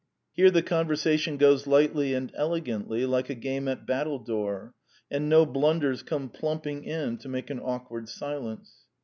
Here the conversation goes lightly and elegantly, like a game at battledore; and no blun ders come plumping in to make an awkward silence.